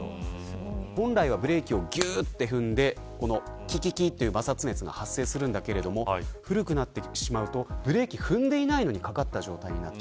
本来はブレーキをぎゅっと踏んでキキキっという摩擦熱が発生するんだけど古くなるとブレーキを踏んでいないのにかかった状態になる。